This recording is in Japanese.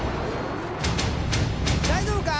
大丈夫か？